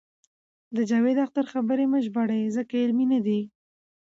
د جاوید اختر خبرې مه ژباړئ ځکه علمي نه دي.